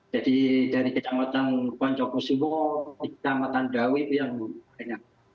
jadi dari kecamatan poncokusimo kecamatan dawit itu yang banyak